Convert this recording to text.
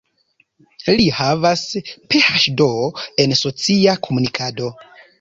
Li havas PhD en socia komunikado.